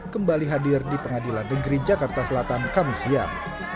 kembali hadir di pengadilan negeri jakarta selatan kami siap